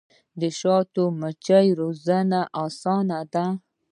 د شاتو مچیو روزنه اسانه ده؟